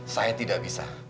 saya tidak bisa